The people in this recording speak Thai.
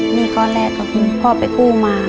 หนี้ก้อนแรกพ่อไปกู้มา